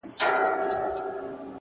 • اوس نه منتر کوي اثر نه په مُلا سمېږي,